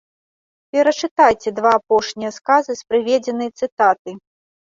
Перачытайце два апошнія сказы з прыведзенай цытаты.